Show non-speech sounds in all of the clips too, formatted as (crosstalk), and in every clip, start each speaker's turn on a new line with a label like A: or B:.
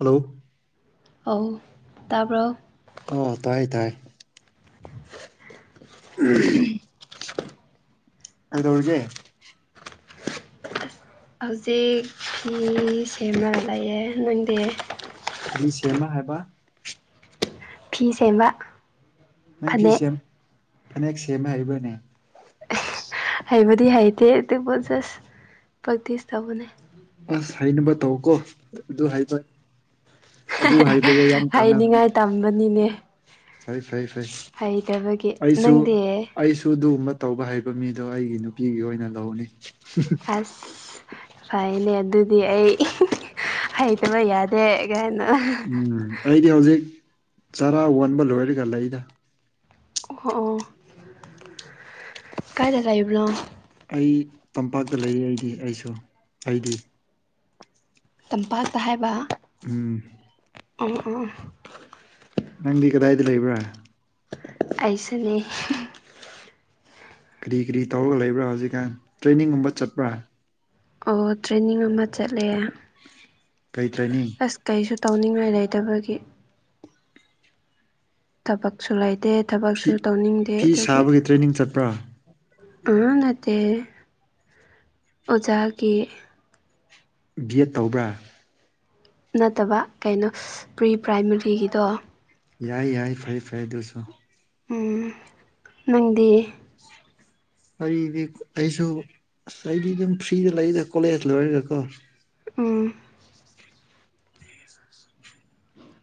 A: Hello
B: ꯑꯧ ꯇꯥꯕ꯭ꯔꯣ
A: ꯑꯣ ꯇꯥꯏ ꯇꯥꯏ
B: (unintelligible)
A: ꯎꯝ ꯀꯩꯗꯧꯔꯤꯒꯦ
B: ꯑꯁ ꯍꯧꯖꯤꯛ ꯐꯤ ꯁꯦꯝꯔꯒ ꯂꯩꯌꯦꯦ ꯅꯡꯗꯤ
A: ꯀꯔꯤ ꯁꯦꯝꯃ ꯍꯥꯏꯕ
B: ꯐꯤ ꯁꯦꯝꯕ
A: ꯅꯪ ꯐꯤ
B: ꯐꯅꯦꯛ
A: ꯁꯦꯝ ꯐꯅꯦꯛ ꯁꯦꯝꯃꯦ ꯍꯥꯏꯕ꯭ꯔꯅꯦ
B: ꯍꯩꯕꯗꯤ ꯍꯩꯇꯦ ꯑꯗꯨꯕꯨ ꯖꯁ ꯄ꯭ꯔꯦꯛꯇꯤꯁ ꯇꯧꯕꯅꯦ
A: ꯑꯁ ꯍꯥꯏꯅꯕ ꯇꯧꯀꯣ ꯑꯗꯨ ꯍꯥꯏ ꯑꯗꯨ ꯍꯩꯕꯗ ꯌꯥꯝ ꯀꯥꯟꯅꯕꯅꯦ
B: ꯍꯩꯅꯤꯡꯉꯥꯏ ꯇꯝꯕꯅꯤꯅꯦ
A: ꯐꯩ-ꯐꯩ-ꯐꯩ
B: ꯍꯩꯇꯕꯒꯤ ꯅꯪꯗꯤ
A: ꯑꯩꯁꯨ-ꯑꯩꯁꯨꯨ ꯑꯗꯨꯒꯨꯝꯃꯥ ꯇꯧꯕ ꯍꯩꯕ ꯃꯤꯗꯣ ꯑꯩꯒꯤ ꯅꯨꯄꯤ ꯑꯣꯏꯅ ꯂꯧꯅꯤ
B: ꯑꯁ ꯐꯩꯅꯦ ꯑꯗꯨꯗꯤ ꯑꯩ ꯍꯩꯇꯕ ꯌꯥꯗꯦ ꯀꯩꯅꯣ
A: ꯎꯝ ꯑꯩꯗꯤ ꯍꯧꯖꯤꯛ ꯆꯔꯥ ꯋꯥꯟꯕ ꯂꯣꯏꯔꯒ ꯂꯩꯗ
B: ꯑꯣꯍꯣ ꯑꯣ ꯀꯥꯏꯗ ꯂꯩꯕꯅꯣ
A: ꯑꯩ ꯇꯝꯄꯥꯛꯇ ꯂꯩ ꯑꯩꯗꯤ ꯑꯩꯁꯨ ꯑꯩꯗꯤ
B: ꯇꯝꯄꯥꯛꯇ ꯍꯥꯏꯕ
A: ꯎꯝ
B: ꯑꯣ ꯑꯣ
A: ꯅꯪꯗꯤ ꯀꯗꯥꯏꯗ ꯂꯩꯕ꯭ꯔꯥ
B: ꯑꯩꯁꯨꯅꯤ (unintelligible)
A: ꯀ꯭ꯔꯤ ꯀ꯭ꯔꯤ ꯇꯧꯔꯒ ꯂꯩꯕ꯭ꯔꯥ ꯍꯧꯖꯤꯛꯀꯥꯟ ꯇ꯭ꯔꯦꯅꯤꯡꯒꯨꯝꯕ ꯆꯠꯄ꯭ꯔꯥ
B: ꯑꯣ ꯇ꯭ꯔꯦꯅꯤꯡ ꯑꯃ ꯆꯠꯂꯦ
A: ꯀꯩ ꯇ꯭ꯔꯦꯅꯤꯡ
B: ꯑꯁ ꯀꯩꯁꯨ ꯇꯧꯅꯤꯡꯉꯥꯏ ꯂꯩꯇꯕꯒꯤ ꯊꯕꯛꯁꯨ ꯂꯩꯇꯦ
A: ꯐꯤ
B: ꯊꯕꯛꯁꯨ ꯇꯧꯅꯤꯡꯗꯦ
A: ꯐꯤ
B: ꯑꯗꯨꯒꯤ
A: ꯁꯥꯕꯒꯤ ꯇ꯭ꯔꯦꯅꯤꯡ ꯆꯠꯄ꯭ꯔꯥ
B: (unintelligible) ꯅꯠꯇꯦ ꯑꯣꯖꯥꯒꯤ
A: ꯕꯤꯑꯦꯠ ꯇꯧꯕ꯭ꯔꯥ
B: ꯅꯠꯇꯕ ꯀꯩꯅꯣ ꯄ꯭ꯔꯤ ꯄ꯭ꯔꯥꯏꯃꯔꯤꯒꯤꯗꯣ
A: ꯌꯥꯏ ꯌꯥꯏ ꯐꯩ ꯐꯩ ꯑꯗꯨꯁꯨ
B: ꯎꯝ ꯅꯪꯗꯤ
A: ꯋꯥꯔꯤꯗꯤ ꯑꯩꯁꯨ ꯑꯁ ꯑꯩꯗꯤ ꯑꯗꯨꯝ ꯐ꯭ꯔꯤꯗ ꯂꯩꯌꯦꯗ ꯀꯣꯂꯦꯖ ꯂꯣꯏꯔꯒꯀꯣ
B: ꯎꯝ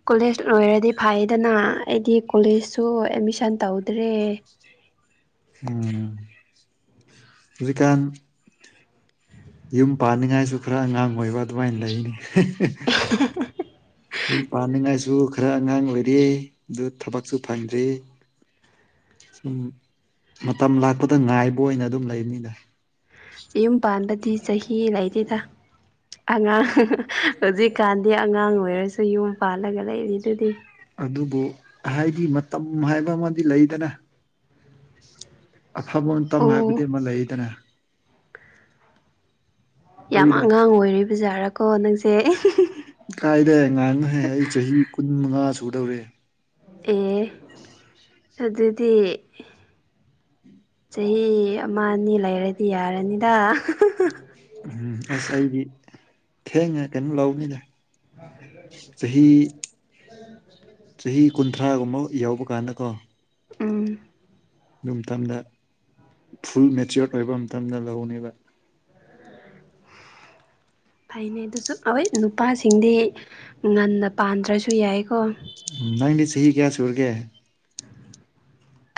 B: ꯀꯣꯂꯦꯖ ꯂꯣꯏꯔꯗꯤ ꯐꯩꯗꯅ ꯑꯩꯗꯤ ꯀꯣꯂꯦꯖꯁꯨ ꯑꯦꯠꯃꯤꯁꯟ ꯇꯧꯗ꯭ꯔꯦ
A: ꯎꯝ ꯍꯧꯖꯤꯛꯀꯥꯟ ꯌꯨꯝ ꯄꯥꯟꯅꯤꯡꯉꯥꯏꯁꯨ ꯈꯔ ꯑꯉꯥꯡ ꯑꯣꯏꯕ ꯑꯗꯨꯃꯥꯏꯅ ꯂꯩꯌꯦꯅꯦ (unintelligible) ꯌꯨꯝ ꯄꯥꯟꯅꯤꯡꯉꯥꯏꯁꯨ ꯈꯔ ꯑꯉꯥꯡ ꯑꯣꯏꯔꯦ ꯑꯗꯨ ꯊꯕꯛꯁꯨ ꯐꯪꯗ꯭ꯔꯤꯑꯦ ꯁꯨꯝ ꯃꯇꯝ ꯂꯥꯛꯄꯗ ꯉꯥꯏꯕ ꯑꯣꯏꯅ ꯑꯗꯨꯝ ꯂꯩꯕꯅꯤꯅ
B: ꯌꯨꯝ ꯄꯥꯟꯕꯗꯤ ꯆꯍꯤ ꯂꯩꯗꯦꯗ ꯑꯉꯥꯡ (unintelligible) ꯍꯧꯖꯤꯛꯀꯥꯟꯗꯤ ꯑꯉꯥꯡ ꯑꯣꯏꯔꯁꯨ ꯌꯨꯝ ꯄꯥꯜꯂꯒ ꯂꯩꯔꯤ ꯗꯨꯗꯤ
A: ꯑꯗꯨꯕꯨ ꯍꯥꯏꯗꯤ ꯃꯇꯝ ꯍꯥꯏꯕ ꯑꯃꯗꯤ ꯂꯩꯗꯅ ꯑꯐꯕ ꯃꯇꯝ ꯍꯥꯏꯕꯗꯤ
B: ꯑꯣ
A: ꯑꯃ ꯂꯩꯌꯦꯗꯅ
B: ꯌꯥꯝ
A: ꯑꯩꯅ
B: ꯑꯉꯥꯡ ꯑꯣꯏꯔꯤꯕ ꯖꯥꯔꯀꯣ ꯅꯪꯁꯦ (unintelligible)
A: ꯀꯥꯏꯗꯩ ꯑꯉꯥꯡꯅꯨꯍꯦ ꯑꯩ ꯆꯍꯤ ꯀꯨꯟ ꯃꯉꯥ ꯁꯨꯗꯧꯔꯦ
B: ꯑꯦ ꯑꯗꯨꯗꯤ ꯆꯍꯤ ꯑꯃ ꯑꯅꯤ ꯂꯩꯔꯗꯤ ꯌꯥꯔꯅꯤꯗ (unintelligible)
A: ꯎꯝ ꯑꯁ ꯑꯩꯗꯤ ꯊꯦꯡꯅ ꯀꯩꯅꯣ ꯂꯧꯕꯅꯤꯗ ꯆꯍꯤ ꯆꯍꯤ ꯀꯨꯟꯊ꯭ꯔꯥꯒꯨꯝꯕ ꯌꯥꯎꯕ ꯀꯥꯟꯗ ꯀꯣ
B: ꯎꯝ
A: ꯑꯗꯨ ꯃꯇꯝꯗ ꯐꯨꯜ ꯃꯦꯆꯣꯔꯠ ꯑꯣꯏꯕ ꯃꯇꯝꯗ ꯂꯧꯒꯅꯦꯕ
B: ꯐꯩꯅꯦ ꯑꯗꯨꯁꯨ ꯑꯣꯏ ꯅꯨꯄꯥꯁꯤꯡꯗꯤ ꯉꯟꯅ ꯄꯥꯟꯗ꯭ꯔꯥꯁꯨ ꯌꯥꯏꯌꯦꯀꯣ
A: ꯎꯝ ꯅꯪꯗꯤ ꯆꯍꯤ ꯀꯌꯥ ꯁꯨꯔꯒꯦ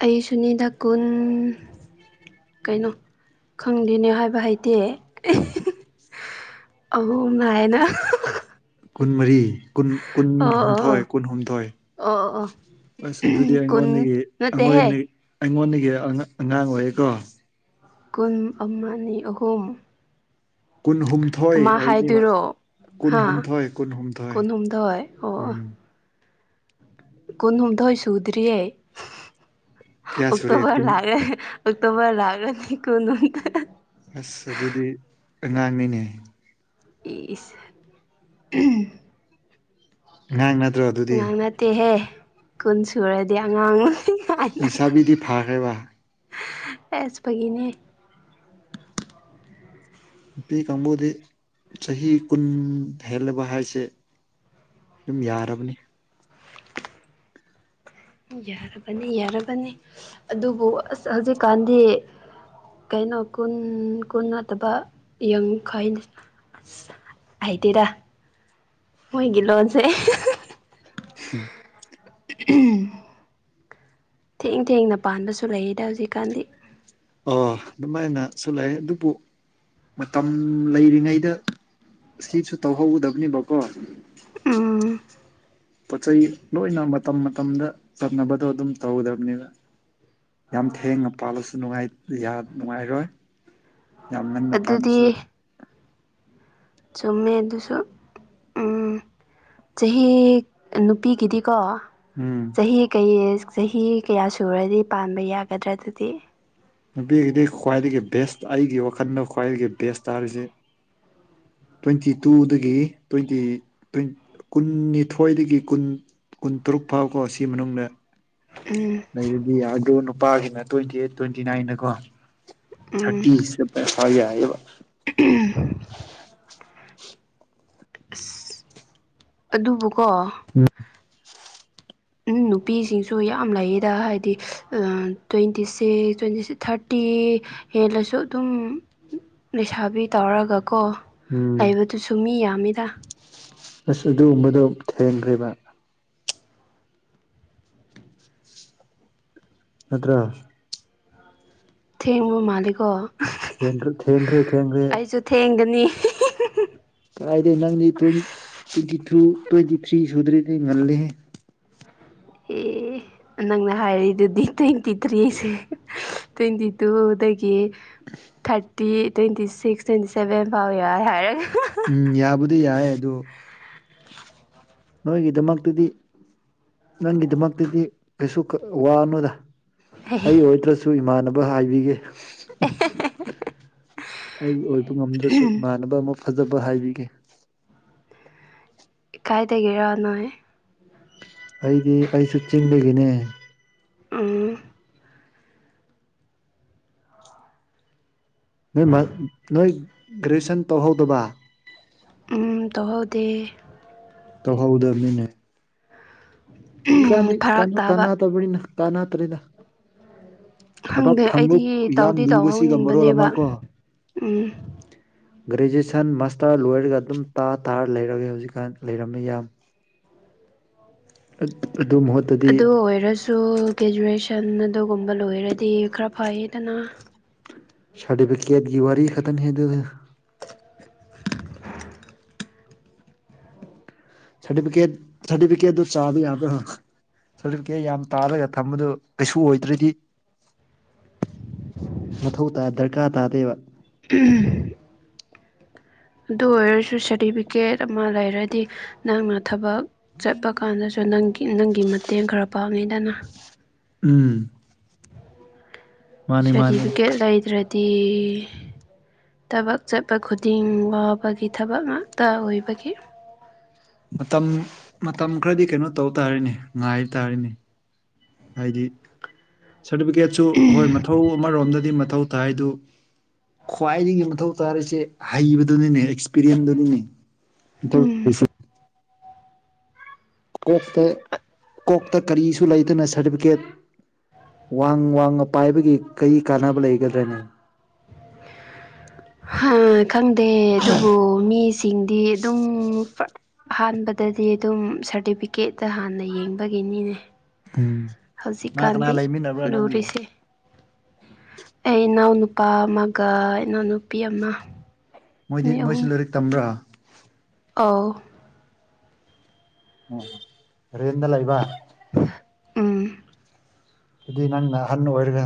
B: ꯑꯩ ꯁꯨꯅꯤꯗꯥ ꯀꯨꯟ ꯀꯩꯅꯣ ꯈꯪꯗꯦꯅꯦ ꯍꯥꯏꯕ ꯍꯩꯇꯦ (unintelligible) ꯑꯍꯨꯝ ꯅꯥꯏꯅ (unintelligible)
A: ꯀꯨꯟꯃꯔꯤ ꯀꯨꯟ
B: ꯑꯣ ꯑꯣ
A: ꯀꯨꯟꯍꯨꯝꯊꯣꯏ
B: ꯑꯣ
A: ꯀꯨꯟꯍꯨꯝꯊꯣꯏ
B: ꯑꯣ ꯑꯣ ꯑꯣ
A: ꯑꯁ ꯑꯗꯨꯗꯤ
B: ꯀꯨꯟ
A: ꯑꯩꯉꯣꯟꯗꯒꯤ ꯑꯩꯉꯣꯟꯗꯩ
B: ꯅꯠꯇꯦꯍꯦ
A: ꯑꯩꯉꯣꯟꯗꯒꯤ ꯑꯉ ꯑꯉꯥꯡ ꯑꯣꯏꯌꯦꯀꯣ
B: ꯀꯨꯟ ꯑꯃ ꯑꯅꯤ ꯑꯍꯨꯝ
A: ꯀꯨꯟꯍꯨꯝꯊꯣꯏ
B: ꯀꯃꯥꯏ
A: ꯑꯣꯏꯅꯤꯕ
B: ꯍꯥꯏꯗꯣꯏꯔꯣ ꯍꯥꯥ
A: ꯀꯨꯟꯍꯨꯝꯊꯣꯏ ꯀꯨꯟꯍꯨꯝꯊꯣꯏ
B: ꯀꯨꯟꯍꯨꯝꯊꯣꯏ ꯑꯣ ꯑꯣ
A: ꯎꯝ
B: ꯀꯨꯟꯍꯨꯝꯊꯣꯏ ꯁꯨꯗ꯭ꯔꯤꯌꯦ (unintelligible)
A: ꯀꯌꯥ ꯁꯨꯔꯦ
B: ꯑꯣꯛꯇꯣꯕꯔ
A: ꯀꯨꯟ
B: ꯂꯥꯛꯔ__ (unintelligible) ꯑꯣꯛꯇꯣꯕꯔ ꯂꯥꯛꯔꯅꯤ ꯀꯨꯟꯍꯨꯝꯊ__ (unintelligible)
A: ꯑꯁ ꯑꯗꯨꯗꯤ ꯑꯉꯥꯡꯅꯤꯅꯦ
B: ꯏꯁ (unintelligible)
A: ꯑꯉꯥꯡ ꯅꯠꯇ꯭ꯔꯣ ꯑꯗꯨꯗꯤ
B: ꯇꯦꯍꯦ ꯀꯨꯟ ꯁꯨꯔꯗꯤ ꯑꯉꯥꯡ (unintelligible)
A: ꯂꯩꯁꯥꯕꯤꯗꯤ ꯐꯥꯈ꯭ꯔꯦꯕ
B: ꯑꯦꯁ ꯐꯥꯒꯤꯅꯦ
A: ꯄꯤ ꯀꯥꯡꯕꯨꯗꯤ ꯆꯍꯤ ꯀꯨꯟ ꯍꯦꯜꯂꯕ ꯍꯥꯏꯁꯦ ꯑꯗꯨꯝ ꯌꯥꯔꯕꯅꯤ
B: ꯌꯥꯔꯕꯅꯤ ꯌꯥꯔꯕꯅꯤ ꯑꯗꯨꯕꯨ ꯑꯁ ꯍꯧꯖꯤꯛꯀꯥꯟꯗꯤ ꯀꯩꯅꯣ ꯀꯨꯟ-ꯀꯨꯟ ꯅꯠꯇꯕ ꯌꯥꯡꯈꯩꯅꯤ ꯍꯩꯇꯦꯗꯥ ꯃꯣꯏꯒꯤ ꯂꯣꯟꯁꯦ
A: ꯍꯝ
B: (unintelligible) ꯊꯦꯡ ꯊꯦꯡꯅ ꯄꯥꯟꯕꯁꯨ ꯂꯩꯌꯦꯗ ꯍꯧꯖꯤꯛꯀꯥꯟꯗꯤ
A: ꯑꯣ ꯑꯗꯨꯃꯥꯏꯅꯁꯨ ꯂꯩ ꯑꯗꯨꯕꯨ ꯃꯇꯝ ꯂꯩꯔꯤꯉꯩꯗ (unintelligible) ꯇꯧꯍꯧꯒꯗꯕꯅꯦꯕꯀꯣ
B: ꯎꯝ
A: ꯄꯣꯠ ꯆꯩꯩ ꯂꯣꯏꯅ ꯃꯇꯝ ꯃꯇꯝꯗ ꯆꯠꯅꯕꯗꯣ ꯑꯗꯨꯝ ꯇꯧꯗꯕꯅꯦꯕ ꯌꯥꯝ ꯊꯦꯡꯅ ꯄꯥꯜꯂꯁꯨ ꯅꯨꯡꯉꯥꯏ ꯌꯥ ꯅꯨꯡꯉꯥꯏꯔꯣꯏ ꯌꯥꯝ ꯉꯟꯅ
B: ꯑꯗꯨꯗꯤ
A: ꯄꯥꯟꯕꯁꯨ
B: ꯆꯨꯝꯃꯦ ꯑꯗꯨꯁꯨ ꯎꯝ ꯆꯍꯤ ꯅꯨꯄꯤꯒꯤꯗꯤꯀꯣ
A: ꯎꯝ
B: ꯆꯍꯤ ꯀꯩ ꯆꯍꯤ ꯀꯌꯥ ꯁꯨꯔꯗꯤ ꯄꯥꯟꯕ ꯌꯥꯒꯗ꯭ꯔꯥ ꯑꯗꯨꯗꯤ
A: ꯅꯨꯄꯤꯒꯤꯗꯤ ꯈ꯭ꯋꯥꯏꯗꯒꯤ ꯕꯦꯁ ꯑꯩꯒꯤ ꯋꯥꯈꯜꯗ ꯈ꯭ꯋꯥꯏꯗꯒꯤ ꯕꯦꯁꯇ ꯇꯔꯤꯖꯦ ꯇ꯭ꯋꯦꯟꯇꯤ ꯇꯨꯗꯒꯤ ꯇ꯭ꯋꯦꯟꯇꯤ ꯇ꯭ꯋꯦꯟ ꯀꯨꯟꯅꯤꯊꯣꯏꯗꯒꯤ ꯀꯨꯟ ꯀꯨꯟꯇꯔꯨꯛ ꯐꯥꯎꯕꯀꯣ ꯁꯤ ꯃꯅꯨꯡꯗ
B: ꯎꯝ
A: ꯂꯩꯔꯗꯤ ꯌꯥꯗꯔꯣ ꯅꯨꯄꯥꯒꯤꯅ ꯇ꯭ꯋꯦꯟꯇꯤ ꯑꯩꯏꯠ ꯇ꯭ꯋꯦꯟꯇꯤ ꯅꯥꯏꯟꯅꯀꯣ
B: ꯎꯝ
A: ꯊꯥꯔꯇꯤ ꯏꯁ ꯗꯥ ꯕꯦꯁ ꯍꯣꯏ ꯌꯥꯏꯌꯦꯕ
B: (unintelligible) ꯑꯁ ꯑꯗꯨꯕꯨꯀꯣ
A: ꯎꯝ
B: ꯎꯝ ꯅꯨꯄꯤꯁꯤꯡꯁꯨ ꯌꯥꯝ ꯂꯩꯌꯦꯗ ꯍꯥꯏꯗꯤ ꯇ꯭ꯋꯦꯟꯇꯤ ꯁꯤꯛꯁ ꯇ꯭ꯋꯦꯟꯇꯤꯛ ꯊꯥꯔꯇꯤ ꯍꯦꯜꯂꯁꯨ ꯑꯗꯨꯝ ꯂꯩꯁꯥꯕꯤ ꯇꯧꯔꯒꯀꯣ
A: ꯎꯝ
B: ꯂꯩꯕꯗꯨꯁꯨ ꯃꯤ ꯌꯥꯝꯃꯤꯗ
A: ꯑꯁ ꯑꯗꯨꯒꯨꯝꯕꯗꯣ ꯊꯦꯡꯈ꯭ꯔꯦꯕ ꯅꯠꯇ꯭ꯔ
B: ꯊꯦꯡꯕ ꯃꯥꯜꯂꯤꯀꯣ
A: ꯊꯦꯡꯈꯔꯦ ꯊꯦꯡꯈꯔꯦ ꯊꯦꯡꯈꯔꯦ
B: ꯑꯩꯁꯨ ꯊꯦꯡꯒꯅꯤ
A: ꯀꯥꯏꯗ ꯅꯪꯗꯤ ꯇ꯭ꯋ ꯇ꯭ꯋꯦꯟꯇꯤ ꯇꯨ ꯇ꯭ꯋꯦꯟꯇꯤ ꯊ꯭ꯔꯤ ꯁꯨꯗ꯭ꯔꯦꯗꯤ ꯉꯜꯂꯤꯍꯦ
B: ꯑꯦ ꯅꯪꯅ ꯍꯥꯏꯔꯤꯗꯨꯗꯤ ꯇ꯭ꯋꯦꯟꯇꯤ ꯊ꯭ꯔꯤꯁꯦ ꯇ꯭ꯋꯦꯟꯇꯤ ꯇꯨꯗꯒꯤ thirty twenty six twenty seven ꯐꯥꯎ ꯌꯥꯏ ꯍꯥꯏꯔꯒ
A: ꯎꯝ ꯌꯥꯕꯨꯗꯤ ꯌꯥꯏ ꯑꯗꯨ ꯅꯣꯏꯒꯤꯗꯃꯛꯇꯗꯤ ꯅꯪꯒꯤꯗꯃꯛꯇꯗꯤ ꯀꯩꯁꯨ ꯋꯥꯅꯣꯗ ꯑꯩ ꯑꯣꯏꯗ꯭ꯔꯥꯁꯨ ꯏꯃꯥꯟꯅꯕ ꯍꯥꯏꯕꯤꯒꯦ ꯑꯩ ꯑꯣꯏꯕ ꯉꯝꯗ꯭ꯔꯁꯨ ꯏꯃꯥꯟꯅꯕ ꯑꯃ ꯐꯖꯕ ꯍꯥꯏꯕꯤꯒꯦ
B: ꯀꯥꯏꯗꯒꯤꯔ ꯅꯣꯏ (unintelligible)
A: ꯑꯩꯗꯤ ꯑꯩꯁꯨ ꯆꯤꯡꯗꯒꯤꯅꯦ꯫
B: ꯎꯝ
A: ꯅꯣꯏ ꯃꯥ ꯅꯣꯏ ꯒ꯭ꯔꯦꯖꯁꯟ ꯇꯧꯍꯧꯗꯕ
B: ꯎꯝ ꯇꯍꯧꯗꯦ꯫
A: ꯇꯧꯍꯧꯗꯕꯅꯤꯅꯦ꯫ ꯍꯧꯖꯤꯛ
B: ꯐꯔꯛ
A: ꯀꯥꯟꯗꯤ
B: ꯇꯥꯕ
A: ꯀꯥꯟꯅꯨꯗꯕꯅꯤꯅ ꯀꯟꯅꯗꯔꯦꯗ ꯊꯕꯛ
B: ꯈꯪꯗꯦ
A: ꯐꯪꯕ
B: ꯑꯩꯗꯤ
A: ꯌꯥꯝ
B: ꯇꯧꯗꯤ
A: ꯂꯨꯕꯁꯤꯒ ꯃꯔꯣꯜ ꯑꯃ
B: ꯇꯧꯍꯧꯅꯤꯡꯕꯅꯦꯕ
A: ꯀꯣ꯫
B: ꯎꯝ
A: ꯒ꯭ꯔꯦꯖꯨꯑꯦꯁꯟ ꯃꯥꯁꯇꯔ ꯂꯣꯏꯔꯒ ꯑꯗꯨꯝ ꯇꯥ ꯇꯥꯔ ꯂꯩꯔꯒꯦ ꯍꯧꯖꯤꯛꯀꯥꯟ ꯂꯩꯔꯝꯃꯤ ꯌꯥꯝ꯫ (unintelligible) ꯑꯗꯨꯃ
B: ꯑꯗꯨ ꯑꯣꯏꯔꯁꯨ ꯒ꯭ꯔꯦꯖꯨꯋꯦꯁꯟ ꯑꯗꯨꯒꯨꯝꯕ ꯂꯣꯏꯔꯗꯤ ꯈꯔ ꯐꯩꯌꯦꯗꯅ
A: ꯁꯔꯇꯤꯐꯤꯀꯦꯠꯀꯤ ꯋꯥꯔꯤ ꯈꯇꯪꯅꯦ ꯍꯦꯗ ꯑꯗꯨ꯫
B: (unintelligible)
A: ꯁꯥꯇꯤꯐꯤꯀꯦꯠ ꯁꯥꯇꯤꯐꯤꯀꯦꯠꯗꯨ ꯆꯥꯕ ꯌꯥꯕꯔ꯫ ꯁꯥꯔꯇꯤꯐꯤꯀꯦꯠ ꯌꯥꯝ ꯇꯥꯜꯔꯒ ꯊꯝꯕꯗꯨ ꯀꯩꯁꯨ ꯑꯣꯏꯗ꯭ꯔꯗꯤ ꯃꯊꯧ ꯇꯥꯏ ꯗꯔꯀꯥꯔ ꯇꯥꯗꯦꯕ
B: ꯎꯝ ꯑꯗꯨ ꯑꯣꯏꯔꯁꯨ ꯁꯥꯔꯇꯤꯐꯤꯀꯦꯠ ꯑꯃ ꯂꯩꯔꯗꯤ ꯅꯪꯅ ꯊꯕꯛ ꯆꯠꯄ ꯀꯥꯟꯗꯁꯨ ꯅꯪꯒꯤ ꯅꯪꯒꯤ ꯃꯇꯦꯡ ꯈꯔ ꯄꯥꯡꯉꯤꯗꯅ꯫
A: ꯎꯝ ꯃꯥꯅꯦ ꯃꯥꯅꯦ
B: ꯁꯥꯔꯇꯤꯐꯤꯀꯦꯠ ꯂꯩꯗ꯭ꯔꯗꯤ꯫ ꯊꯕꯛ ꯆꯠꯄ ꯈꯨꯗꯤꯡ ꯋꯥꯕꯒꯤ ꯊꯕꯛ ꯉꯥꯛꯇ ꯑꯣꯏꯕꯒꯤ꯫
A: ꯃꯇꯝ ꯃꯇꯝ ꯈꯔꯗꯤ ꯀꯩꯅꯣ ꯇꯧ ꯇꯥꯔꯅꯦ ꯉꯥꯏ ꯇꯥꯔꯅꯦ ꯍꯥꯏꯗꯤ ꯁꯥꯔꯇꯤꯐꯤꯀꯦꯠꯁꯨ ꯍꯣꯏ ꯃꯊꯧ ꯑꯃꯔꯣꯝꯗꯗꯤ ꯃꯊꯧ ꯇꯥꯏꯗꯨ꯫ ꯈ꯭ꯋꯥꯏꯗꯒꯤ ꯃꯊꯧ ꯇꯥꯔꯤꯁꯦ ꯍꯩꯕꯗꯨꯅꯤꯅꯦ ꯑꯦꯛꯁꯄꯤꯔꯤꯌꯦꯟꯗꯨꯅꯤꯅꯦ꯫
B: ꯎꯝ
A: ꯀꯣꯛꯇ ꯀꯣꯛꯇ ꯀꯔꯤꯁꯨ ꯂꯩꯗꯅ ꯁꯥꯔꯇꯤꯐꯤꯀꯦꯠ꯫ ꯋꯥꯡ ꯋꯥꯡꯃ ꯄꯥꯏꯕꯒꯤ ꯀꯔꯤ ꯀꯥꯟꯅꯕ ꯂꯩꯒꯗ꯭ꯔꯦꯅꯦ
B: ꯑ ꯈꯪꯗꯦ ꯑꯗꯨꯕꯨ ꯃꯤꯁꯤꯡꯗꯤ ꯑꯗꯨꯝ ꯑꯍꯥꯟꯕꯗꯗꯤ ꯑꯗꯨꯝ ꯁꯥꯔꯇꯤꯐꯤꯀꯦꯠꯇ ꯍꯥꯟꯅ ꯌꯦꯡꯕꯒꯤꯅꯤꯅꯦ꯫
A: ꯎꯝ꯫ ꯀꯅꯥ ꯀꯅꯥ
B: ꯍꯧꯖꯤꯛꯀꯥꯟꯗꯤ
A: ꯂꯩꯃꯤꯟꯅꯕ꯭ꯔꯥ ꯅꯪꯗꯤ
B: ꯂꯨꯔꯤꯁꯦ꯫ ꯑꯩ ꯏꯅꯥꯎꯅꯨꯄꯥ ꯑꯃꯒ ꯏꯅꯥꯎꯅꯨꯄꯤ ꯑꯃ꯫
A: ꯃꯣꯏꯗꯤ
B: ꯃꯤ ꯑꯍꯨꯝ
A: ꯃꯣꯏꯁꯨ ꯂꯥꯏꯔꯤꯛ ꯇꯝꯕ꯭ꯔꯥ
B: ꯑꯧ
A: ꯎꯝ ꯔꯦꯟꯗ ꯂꯩꯕ꯫
B: ꯎꯝ꯫
A: ꯑꯗꯨ ꯅꯪꯅ ꯑꯍꯜ ꯑꯣꯏꯔꯒ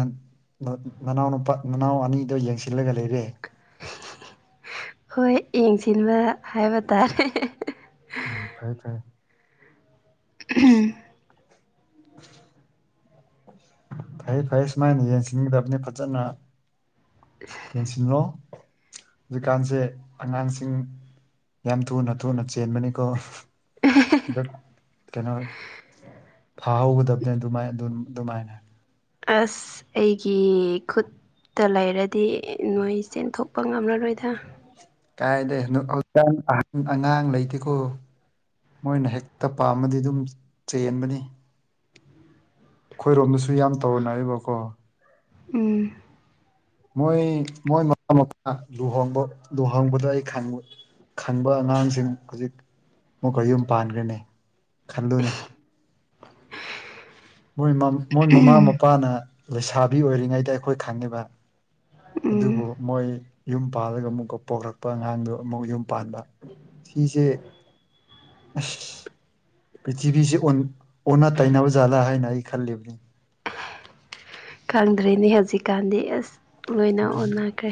A: ꯅꯅꯥꯎ ꯅꯨꯄꯥ ꯅꯅꯥꯎ ꯑꯅꯤꯗꯣ ꯌꯦꯡꯁꯤꯜꯂꯒ ꯂꯩꯔꯦ꯫
B: ꯍꯣꯏ ꯌꯦꯡꯁꯤꯟꯕ ꯍꯥꯏꯕ ꯇꯥꯔꯦ
A: ꯎꯝ ꯐꯔꯦ ꯐꯔꯦ
B: ꯎꯝ꯫
A: (unintelligible) ꯐꯩ ꯐꯩ ꯁꯨꯃꯥꯏꯅ ꯌꯦꯡꯁꯤꯟꯒꯗꯕꯅꯤ ꯐꯖꯅ
B: (unintelligible)
A: ꯌꯦꯡꯁꯤꯜꯂꯣ ꯍꯧꯖꯤꯛꯀꯥꯟꯁꯦ ꯑꯉꯥꯡꯁꯤꯡ ꯌꯥꯝ ꯊꯨꯅ ꯊꯨꯅ ꯆꯦꯟꯕꯅꯤꯀꯣ ꯗ ꯀꯩꯅꯣ ꯐꯥꯍꯧꯒꯗꯕꯅꯦ ꯑꯗꯨꯃꯥꯏ ꯑꯗꯨꯃꯥꯏꯅ
B: ꯑꯁ ꯑꯩꯒꯤ ꯈꯨꯠ ꯇ ꯂꯩꯔꯗꯤ ꯅꯣꯏ ꯆꯦꯟꯊꯣꯛꯄ ꯉꯝꯂꯔꯣꯏꯗ
A: ꯀꯥꯏꯗꯩ ꯍꯧꯖꯤꯛꯀꯥꯟ ꯑꯍꯟ ꯑꯉꯥꯡ ꯂꯩꯇꯦꯀꯣ꯫ ꯃꯣꯏꯅ ꯍꯦꯛꯇ ꯄꯥꯝꯃꯗꯤ ꯑꯗꯨꯝ ꯆꯦꯟꯕꯅꯤ꯫ ꯑꯩꯈꯣꯏꯔꯣꯝꯗꯁꯨ ꯌꯥꯝ ꯇꯧꯅꯩꯕꯀꯣ꯫
B: ꯎꯝ
A: ꯃꯣꯏ ꯃꯣꯏ ꯃꯄꯥ ꯃꯄꯥ ꯂꯨꯍꯣꯡꯕ ꯂꯨꯍꯣꯡꯕꯗꯣ ꯑꯩ ꯈꯪꯉꯦ꯫ ꯈꯟꯕ ꯑꯉꯥꯡꯁꯤꯡ ꯍꯧꯖꯤꯛ ꯃꯨꯛꯀ ꯌꯨꯝ ꯄꯥꯟꯈ꯭ꯔꯅꯤ ꯈꯟꯂꯨꯅꯤ꯫ ꯣꯏ ꯃꯣꯏ ꯃꯃꯥ ꯃꯄꯥꯅ ꯂꯩꯁꯥꯕꯤ ꯑꯣꯏꯔꯤꯉꯩꯗ ꯑꯩꯈꯣꯏ ꯈꯪꯉꯦꯕ
B: ꯎꯝ
A: ꯑꯗꯨꯕꯨ ꯃꯣꯏ ꯌꯨꯝ ꯄꯥꯜꯂꯒ ꯑꯃꯨꯛꯀ ꯄꯣꯛꯈꯂꯛꯄ ꯑꯉꯥꯡꯗꯨꯣ ꯑꯃꯨꯛ ꯌꯨꯝ ꯄꯥꯟꯕ ꯐꯤꯁꯦ꯫ ꯑꯁ ꯄ꯭ꯔꯤꯊꯤꯕꯤꯁꯦ ꯑꯣꯟ ꯑꯣꯟꯅ ꯇꯩꯅꯕ ꯖꯥꯠꯂꯥ ꯍꯥꯏꯅ ꯑꯩ ꯈꯜꯂꯤꯕꯅꯤ
B: ꯈꯪꯗ꯭ꯔꯦꯅꯦ ꯍꯧꯖꯤꯛꯀꯥꯟꯗꯤ ꯑꯁ ꯂꯣꯏꯅ ꯑꯣꯟꯅꯈ꯭ꯔꯦ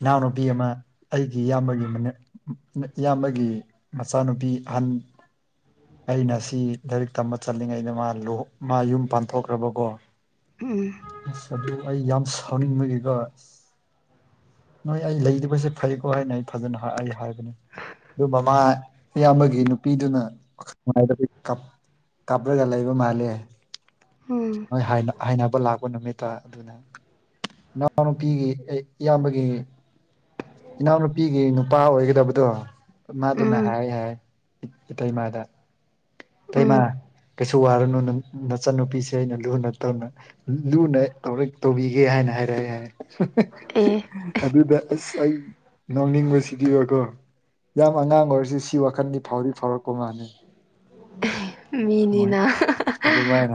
A: ꯏꯅꯥꯎ ꯅꯨꯄꯤ ꯑꯃ ꯑꯩꯒꯤ ꯏꯌꯥꯝꯕꯒꯤ ꯏꯌꯥꯝꯕꯒꯤ ꯃꯆꯥꯅꯨꯄꯤ ꯑꯍꯟ ꯑꯩꯅ ꯁꯤ ꯂꯥꯏꯔꯤꯛ ꯇꯝꯕ ꯆꯠꯂꯤꯉꯩꯩꯅ ꯃꯥ ꯃꯥ ꯌꯨꯝ ꯄꯥꯟꯊꯣꯛꯈ꯭ꯔꯕꯀꯣ
B: ꯎꯝ
A: ꯑꯁ ꯑꯗꯨ ꯑꯩ ꯌꯥꯝ ꯁꯥꯎꯅꯤꯡꯕꯒꯤ ꯅꯣꯏ ꯑꯩ ꯂꯩꯗꯕꯁꯦ ꯐꯩꯀꯣ ꯍꯥꯏꯅ ꯑꯩ ꯐꯖꯅ ꯑꯩ ꯍꯥꯏꯕꯅꯤ ꯑꯗꯨ ꯃꯃꯥ ꯑꯌꯥꯝꯕꯒꯤ ꯅꯨꯄꯤꯗꯨꯅ ꯋꯥꯈꯜ ꯀꯥꯞꯄꯔꯒ ꯂꯩꯕ ꯃꯥꯜꯂꯦ
B: ꯎꯝ
A: ꯍꯣꯏ ꯍꯥꯏꯅꯕ ꯂꯥꯛꯄ ꯅꯨꯃꯤꯠꯇ ꯑꯗꯨꯅ ꯏꯅꯥꯎ ꯅꯨꯄꯤꯒꯤ ꯏꯌꯥꯝꯕꯒꯤ ꯏꯅꯥꯎꯅꯨꯄꯤꯒꯤ ꯅꯨꯄꯥ ꯑꯣꯏꯒꯗꯕꯗꯣ ꯃꯥꯗꯨꯅ
B: ꯎꯝ
A: ꯍꯥꯏ ꯍꯥꯏ ꯏꯇꯩꯃꯥꯗ
B: ꯎꯝ
A: ꯏꯇꯩꯃꯥ ꯀꯩꯁꯨ ꯋꯥꯔꯨꯅꯨ ꯅꯆꯟꯅꯨꯄꯤꯁꯦ ꯑꯩꯅ ꯂꯨꯅ ꯇꯧꯅ ꯂꯨꯅ ꯇꯧꯔ ꯇꯧꯕꯤꯒꯦ ꯍꯥꯏꯅ ꯍꯥꯏꯔꯛꯑꯦ ꯍꯥꯏ
B: ꯑꯦ
A: ꯑꯗꯨꯗ ꯑꯁ ꯑꯩ ꯅꯣꯛꯅꯤꯡꯕꯁꯤꯗꯤꯕꯀꯣ ꯌꯥꯝ ꯑꯉꯥꯡ ꯑꯣꯏꯔꯁꯤ ꯁꯤ ꯋꯥꯈꯜꯗꯤ ꯐꯥꯎꯔꯤ ꯐꯥꯎꯔꯛꯄ ꯃꯥꯜꯂꯦ
B: ꯃꯤꯅꯤꯅ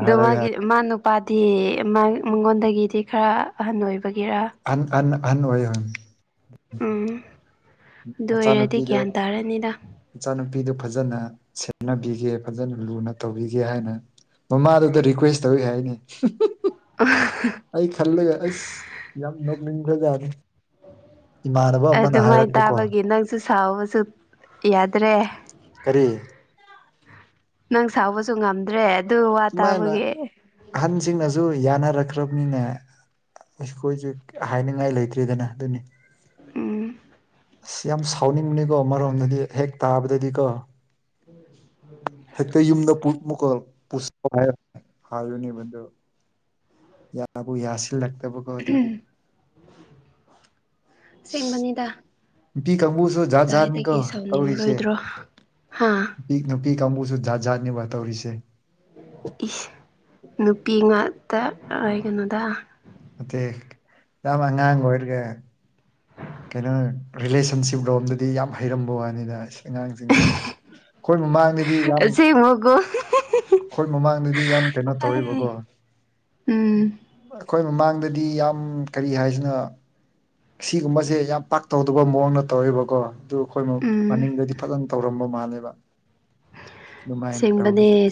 B: ꯑꯗꯣ
A: ꯍꯥꯏꯔꯒ
B: ꯃꯥꯒꯤ ꯃꯥꯅ ꯅꯨꯄꯥꯗꯤ ꯃꯉꯣꯟꯗꯒꯤꯗꯤ ꯈꯔ ꯑꯍꯟ ꯑꯣꯏꯕꯒꯤꯔ
A: ꯑꯟ ꯑꯟ ꯑꯍꯟ ꯑꯣꯏ
B: ꯎꯝ ꯑꯗꯨ ꯑꯣꯏꯔꯗꯤ
A: ꯃꯆꯥꯅꯨꯄꯤꯗꯣ
B: ꯒ꯭ꯌꯥꯟ ꯇꯥꯔꯅꯤꯗ
A: ꯏꯆꯥꯅꯨꯄꯤꯗꯨ ꯐꯖꯅ ꯁꯦꯝꯅꯕꯤꯒꯦ ꯐꯖꯅ ꯂꯨꯅ ꯇꯧꯕꯤꯒꯦ ꯍꯥꯏꯅ ꯃꯃꯥꯗꯨꯗ ꯔꯤꯀ꯭ꯋꯦꯁ ꯇꯧꯏ ꯍꯥꯏꯅꯤ ꯑꯩ ꯈꯜꯂꯒ ꯑꯁ ꯌꯥꯝ ꯅꯣꯛꯅꯤꯡꯈ꯭ꯔꯖꯥꯔꯦ ꯏꯃꯥꯟꯅꯕ ꯑꯃꯅ ꯍꯥꯏꯔꯛ
B: ꯑꯗꯨꯃꯥꯏꯅ ꯇꯥꯕꯒꯤ ꯅꯪꯁꯨ ꯁꯥꯎꯕꯁꯨ ꯌꯥꯗ꯭ꯔꯦ
A: ꯀꯔꯤ
B: ꯅꯪ ꯁꯥꯎꯕꯁꯨ ꯉꯝꯗ꯭ꯔꯦ ꯑꯗꯨ ꯋꯥ
A: ꯁꯨꯃꯥꯏꯅ
B: ꯇꯥꯕꯒꯤ
A: ꯑꯍꯟꯁꯤꯡꯅꯁꯨ ꯌꯥꯅꯔꯛꯈ꯭ꯔꯕꯅꯤꯅꯦ ꯑꯩꯈꯣꯏꯁꯦ ꯍꯥꯏꯅꯤꯡꯉꯥꯏ ꯂꯩꯇ꯭ꯔꯦꯗꯅ ꯑꯗꯨꯅꯤ
B: ꯎꯝ
A: ꯑ ꯌꯥꯝ ꯁꯥꯎꯅꯤꯡꯕꯅꯤꯀꯣ ꯃꯔꯣꯝꯗꯗꯤ ꯍꯦꯛ ꯇꯥꯕꯗꯗꯤꯀꯣ
B: ꯎꯝ ꯎꯝ
A: ꯍꯦꯛꯇ ꯌꯨꯝꯗ ꯑꯃꯨꯛꯀ ꯄꯨꯁ ꯍꯥꯏꯔ ꯍꯥꯏ ꯌꯨꯅꯤꯕꯗꯨ ꯌꯥꯕꯨ ꯌꯥꯁꯤꯜꯂꯛꯇꯕ
B: ꯁꯦꯡꯕꯅꯤꯗ
A: ꯅꯨꯄꯤ ꯀꯪꯕꯨꯁꯨ ꯖꯥꯠ ꯖꯥꯠꯅꯤ ꯀꯣ ꯇꯧꯔꯤꯁꯦ
B: ꯁꯥꯎꯅꯤꯡꯉꯔꯣꯏꯗ꯭ꯔꯣ ꯍꯥ
A: ꯅꯨꯄꯤ ꯅꯨꯄꯤ ꯀꯥꯡꯕꯨꯁꯨ ꯖꯠ ꯖꯥꯠꯅꯤꯕ ꯇꯧꯔꯤꯁꯦ
B: ꯏꯁ ꯅꯨꯄꯤ ꯉꯥꯛꯇ ꯍꯥꯏꯒꯅꯣꯗ
A: ꯅꯠꯇꯦ ꯌꯥꯝ ꯑꯉꯥꯡ ꯑꯣꯏꯔꯒ ꯀꯩꯅꯣ ꯔꯤꯂꯦꯁꯟꯁꯤꯞ ꯂꯣꯝꯗꯗꯤ ꯌꯥꯝ ꯍꯩꯔꯝꯕ ꯋꯥꯅꯤꯗ ꯑꯉꯥꯡꯁꯤꯡꯁꯤ ꯑꯩꯈꯣꯏ ꯃꯃꯥꯡꯗꯗꯤ ꯌꯥꯝ
B: ꯃꯒꯣ
A: ꯑꯩꯈꯣꯏ ꯃꯃꯥꯡꯗꯗꯤ ꯌꯥꯝ ꯀꯩꯅꯣ ꯇꯧꯋꯕꯀꯣ
B: ꯎꯝ
A: ꯑꯩꯈꯣꯏ ꯃꯃꯥꯡꯗꯗꯤ ꯌꯥꯝ ꯀꯔꯤ ꯍꯥꯏꯁꯤꯅ ꯁꯤꯒꯨꯝꯕꯁꯦ ꯌꯥꯝ ꯄꯥꯛ ꯇꯧꯗꯕ ꯃꯑꯣꯡꯅ ꯇꯧꯋꯦꯕꯀꯣ ꯑꯗꯨ ꯑꯩꯈꯣꯏꯅ
B: ꯎꯝ
A: ꯃꯅꯤꯡꯗꯗꯤ ꯐꯖꯅ ꯇꯧꯔꯝꯕ ꯃꯥꯜꯂꯦꯕ ꯑꯗꯨꯃꯥꯏꯅ ꯇꯧꯕꯒꯤ
B: ꯁꯦꯡꯕꯅꯦ